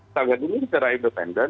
saya lihat ini secara independen